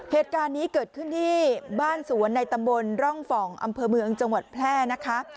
เหตุการณ์นี้เกิดขึ้นที่บ้านสวนในตำบลร่องฝ่องอำเภอเมืองจังหวัดแพร่นะคะ